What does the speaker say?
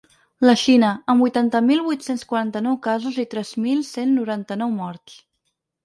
La Xina, amb vuitanta mil vuit-cents quaranta-nou casos i tres mil cent noranta-nou morts.